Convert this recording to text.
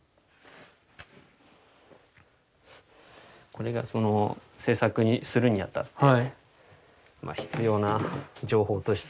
これがその制作するにあたって必要な情報として。